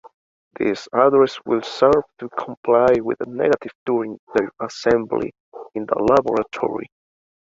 These addresses will serve to comply with the negative during their assembly in the laboratory.